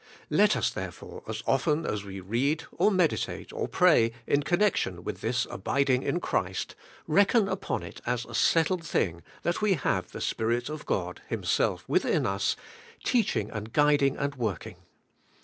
Let us therefore as often as we read, or meditate, or pray in connection with this abiding in Christ, reckon upon it as a settled thing that we have the Spirit of God Himself within us, teaching, and guiding, and work ing.